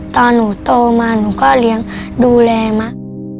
ตอนหนูโตมาหนูก็เลี้ยงดูแลมะ